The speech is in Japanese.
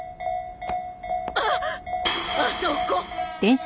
あっ！あそこ！